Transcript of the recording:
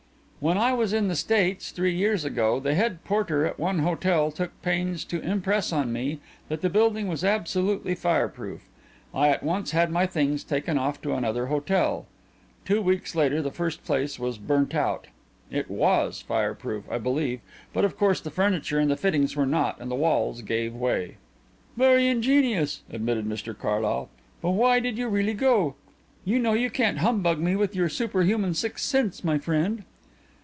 "When I was in the States, three years ago, the head porter at one hotel took pains to impress on me that the building was absolutely fireproof. I at once had my things taken off to another hotel. Two weeks later the first place was burnt out. It was fireproof, I believe, but of course the furniture and the fittings were not and the walls gave way." "Very ingenious," admitted Mr Carlyle, "but why did you really go? You know you can't humbug me with your superhuman sixth sense, my friend."